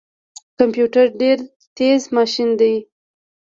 کمپيوټر ډیر تیز ماشین دی